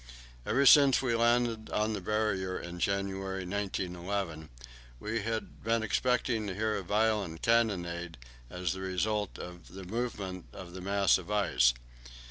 Ever since we landed on the Barrier in January, 1911, we had been expecting to hear a violent cannonade as the result of the movement of the mass of ice.